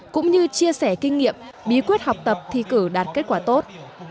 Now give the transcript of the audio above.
cũng như chia sẻ kinh nghiệm bí quyết học tập thi cử đạt kết quả tốt